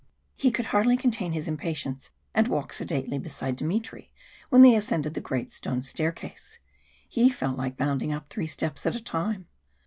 He could hardly contain his impatience, and walk sedately beside Dmitry when they ascended the great stone staircase he felt like bounding up three steps at a time.